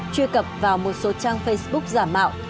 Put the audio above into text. truy cập vào một số trang facebook giả mạo